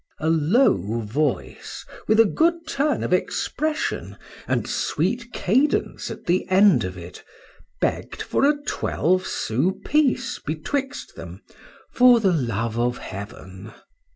A low voice, with a good turn of expression, and sweet cadence at the end of it, begg'd for a twelve sous piece betwixt them, for the love of heaven.